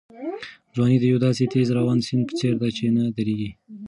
ځواني د یو داسې تېز روان سیند په څېر ده چې نه درېږي.